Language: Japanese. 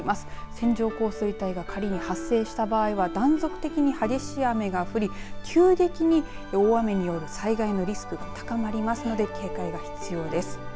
線状降水帯が仮に発生した場合は断続的に激しい雨が降り急激に大雨による災害のリスクが高まりますので警戒が必要です。